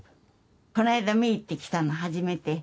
この間見に行ってきたの、初めて。